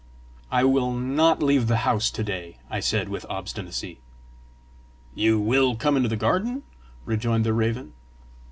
"I will not leave the house to day," I said with obstinacy. "You will come into the garden!" rejoined the raven.